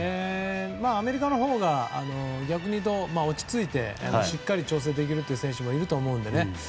アメリカのほうが逆に言うと、落ち着いてしっかり調整できるという選手もいると思うのでね。